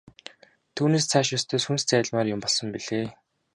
Түүнээс цааш ёстой сүнс зайлмаар юм болсон билээ.